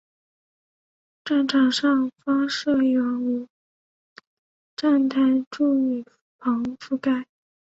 站场上方设有无站台柱雨棚覆盖。